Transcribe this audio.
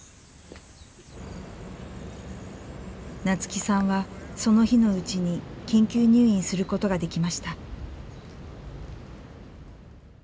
夏輝さんはその日のうちに緊急入院することができました。